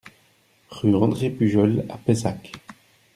Rue André Pujol à Pessac